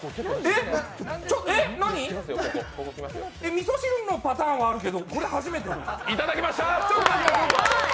みそ汁のパターンはあるけど、これ初めていただきました！